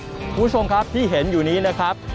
คุณผู้ชมครับที่เห็นอยู่นี้นะครับ